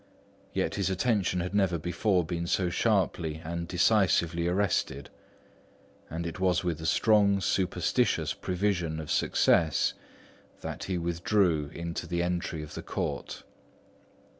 Yet his attention had never before been so sharply and decisively arrested; and it was with a strong, superstitious prevision of success that he withdrew into the entry of the court.